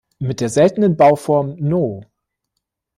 Mit der seltenen Bauform No.